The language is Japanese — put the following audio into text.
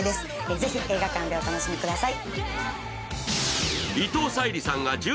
ぜひ映画館でお楽しみください。